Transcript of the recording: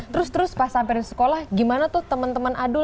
terus terus pas sampai di sekolah gimana tuh teman teman adul